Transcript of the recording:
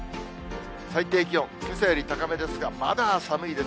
最低気温、けさより高めですが、まだ寒いです。